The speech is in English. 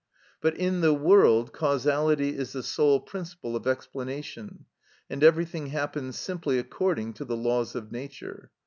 But in the world causality is the sole principle of explanation, and everything happens simply according to the laws of nature.